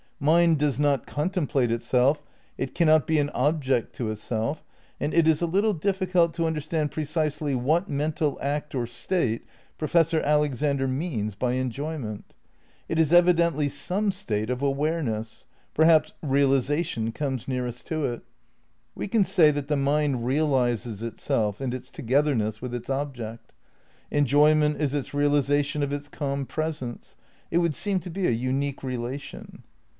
Mind does not contemplate itself, it cannot be an object to itself; and it is a little difficult to understand precisely what mental act or state Professor Alexander means by "en joyment." It is evidently some state of awareness; perhaps "realisation" comes nearest to it. We can say that the mind realises itself and its togetherness with its object. Enjoyment is its realisation of its com presence. It would seem to be a unique relation.